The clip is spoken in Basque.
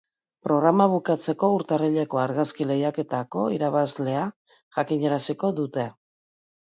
Programa bukatzeko, urtarrileko argazki-lehiaketako irabazlea jakinaraziko dute.